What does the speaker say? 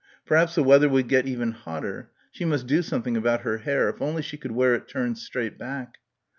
Perhaps the weather would get even hotter. She must do something about her hair ... if only she could wear it turned straight back.